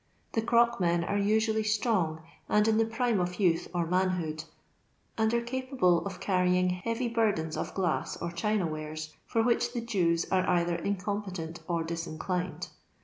The erockmen are usually strong and in the piiiiie of youth or manhood, and are capable of earrying heavy burdens of glav or china warefl, for which the Jevi «a either ineompetent or dia inclined.